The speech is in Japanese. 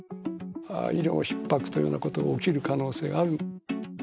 医療ひっ迫というようなことが起きる可能性がある。